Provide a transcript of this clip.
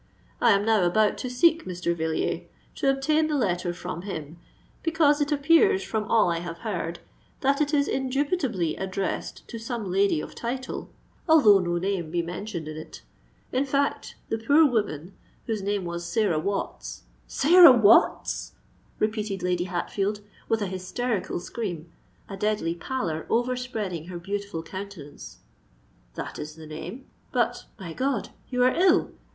I am now about to seek Mr. Villiers, and obtain the letter from him; because, it appears from all I have heard, that it is indubitably addressed to some lady of title, although no name be mentioned in it. In fact, the poor woman—whose name was Sarah Watts——" "Sarah Watts!" repeated Lady Hatfield, with an hysterical scream, a deadly pallor overspreading her beautiful countenance. "That is the name——But, my God! you are ill!"